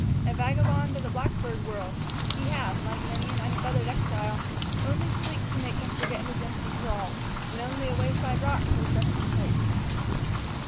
A vagabond of the blackbird world, he had, like many an unfeathered exile, only sleep to make him forget his empty craw, and only a wayside rock for his resting place.